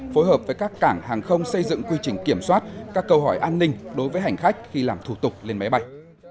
phối hợp với các cảng hàng không xây dựng quy trình kiểm soát các câu hỏi an ninh đối với hành khách khi làm thủ tục lên máy bay